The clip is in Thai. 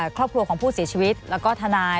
ครอบครัวของผู้เสียชีวิตแล้วก็ทนาย